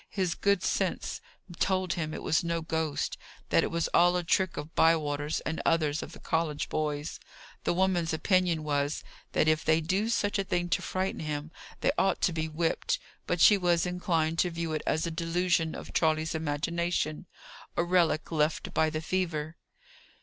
His good sense told him it was no ghost; that it was all a trick of Bywater's and others of the college boys. The woman's opinion was, that if they did do such a thing to frighten him, they ought to be whipped; but she was inclined to view it as a delusion of Charley's imagination, a relic left by the fever.